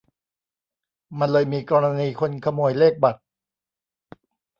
มันเลยมีกรณีคนขโมยเลขบัตร